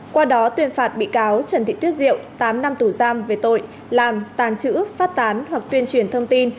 qua đó tuyên phạt bị cáo trần thị tuyết diệu tám năm tù giam về tội làm tàn trữ phát tán hoặc tuyên truyền thông tin